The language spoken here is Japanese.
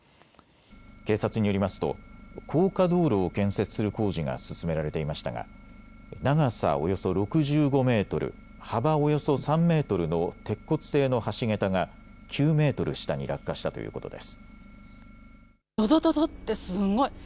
警察によりますと高架道路を建設する工事が進められていましたが長さおよそ６５メートル、幅およそ３メートルの鉄骨製の橋桁が９メートル下に落下したということです。